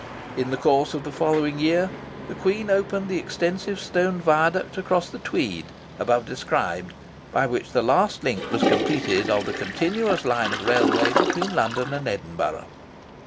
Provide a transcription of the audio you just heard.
In the course of the following year the Queen opened the extensive stone viaduct across the Tweed, above described, by which the last link was completed of the continuous line of railway between London and Edinburgh.